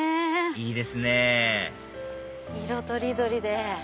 いいですね色取り取りで。